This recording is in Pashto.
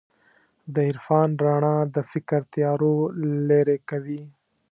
د عرفان رڼا د فکر تیارو لېرې کوي.